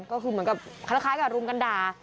ก็คือเหมือนกับคล้ายกับรุมกันด่า